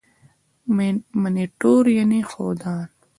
منیټور یعني ښودان.